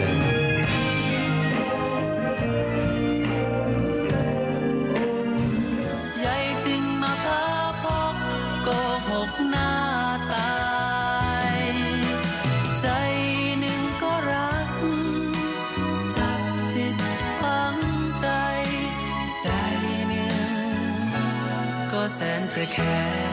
แล้วในคอนเสิร์ตครั้งนี้จะมีความพิเศษอะไรมาฝากเราบ้างไหมคะ